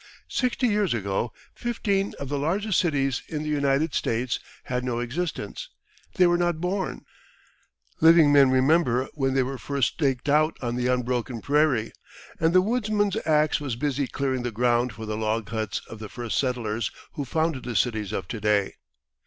Sixty years ago, fifteen of the largest cities in the United States had no existence. They were not born. Living men remember when they were first staked out on the unbroken prairie, and the woodsman's axe was busy clearing the ground for the log huts of the first settlers who founded the cities of to day.